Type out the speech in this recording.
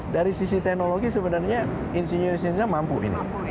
dari sisi teknologi sebenarnya insinyur insinyurnya mampu ini